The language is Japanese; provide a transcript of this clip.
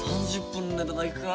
３０分寝ただけか。